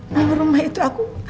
nomor rumah itu aku